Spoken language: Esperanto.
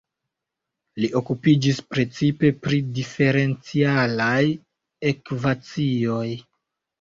Li okupiĝis precipe pri diferencialaj ekvacioj.